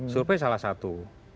survei salah satu